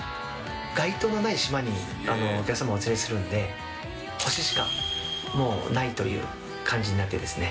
街灯のない島にお客様お連れするんで星しかもうないという感じになってですね